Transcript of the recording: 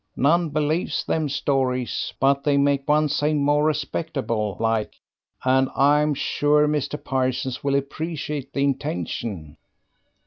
"None believes them stories, but they make one seem more respectable like, and I am sure Mr. Parsons will appreciate the intention."